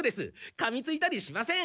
かみついたりしません。